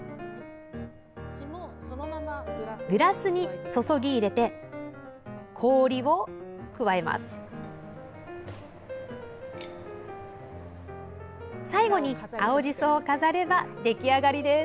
グラスに注ぎ入れて氷を加えます。